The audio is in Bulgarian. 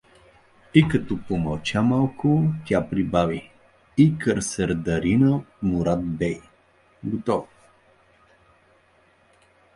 И като помълча малко, тя прибави: — И кърсердарина Мурад бей… Готово.